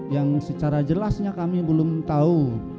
yang secara jelasnya kami belum tahu